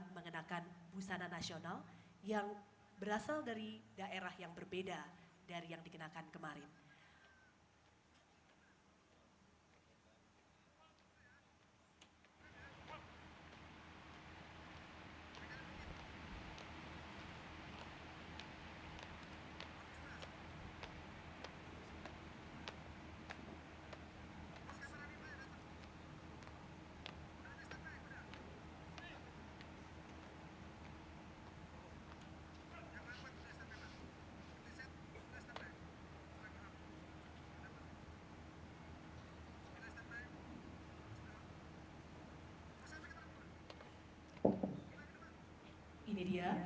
mengenakan busana nasional yang berasal dari daerah yang berbeda dari yang dikenakan kemarin